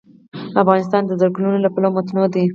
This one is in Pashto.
افغانستان د ځنګلونه له پلوه متنوع دی.